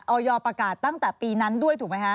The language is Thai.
อยประกาศตั้งแต่ปีนั้นด้วยถูกไหมคะ